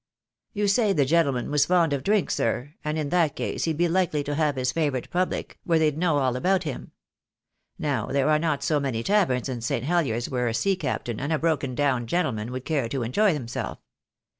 "You say the gentleman was fond of drink, sir, and 184 THE DAY WILL COME. in that case he'd be likely to have his favourite public, where they'd know all about him. Now, there are not so many taverns in St. Heliers where a sea captain, and a broken down gentleman, would care to enjoy himself.